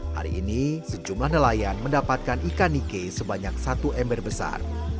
hari ini sejumlah nelayan mendapatkan ikan nike sebanyak satu ember besar